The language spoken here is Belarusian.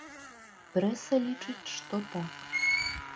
Прэса лічыць, што так.